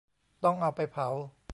ต้องเอาไปเผา